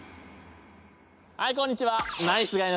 はいこんにちは。